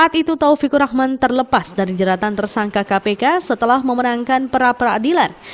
taufikur rahman terlepas dari jeratan tersangka kpk setelah memerangkan perapera adilan